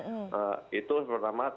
tapi tanda tangannya masih tetap di digital